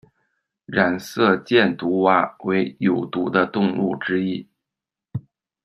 染色箭毒蛙为有毒的动物之一。